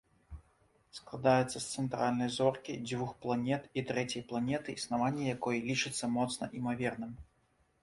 Складаецца з цэнтральнай зоркі, дзвюх планет, і трэцяй планеты, існаванне якой лічыцца моцна імаверным.